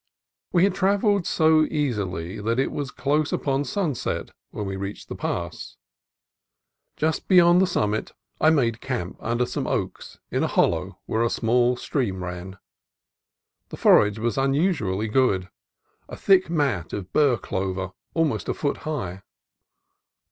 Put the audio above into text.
We had travelled so easily that it was close upon sunset when we reached the pass. Just beyond the summit I made camp under some oaks in a hollow where a small stream ran. The forage was unusu ally good, a thick mat of burr clover almost a foot high.